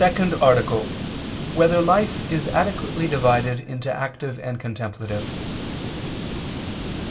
179, Art. 2] Whether Life Is Adequately Divided into Active and Contemplative?